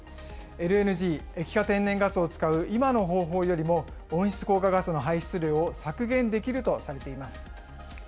ＬＮＧ・液化天然ガスを使う今の方法よりも、温室効果ガスの排出量を削減できるとされています。